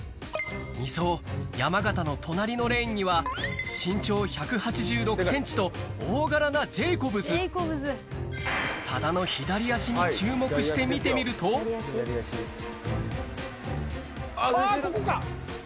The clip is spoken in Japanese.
２走・山縣の隣のレーンには身長１８６ｃｍと大柄なジェイコブズ多田の左足に注目して見てみるとあここか！